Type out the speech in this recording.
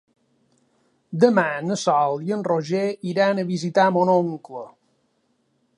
Demà na Sol i en Roger iran a visitar mon oncle.